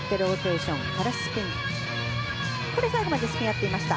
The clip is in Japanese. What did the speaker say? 最後までスピンをやっていました。